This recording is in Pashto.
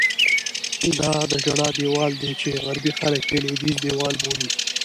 دا د ژړا دیوال دی چې غربي خلک یې لوېدیځ دیوال بولي.